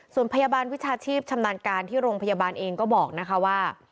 ส่วนพยาบาลวิชาชีพชำนาญการที่โรงพยาบาลเองก็บอกนะคะว่า